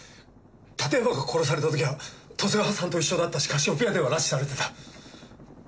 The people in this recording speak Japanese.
館山が殺された時は十津川さんと一緒だったしカシオペアでは拉致されていた。